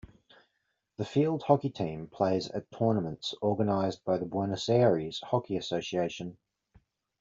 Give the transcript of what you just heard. The field hockey team plays at tournaments organised by the Buenos Aires Hockey Association.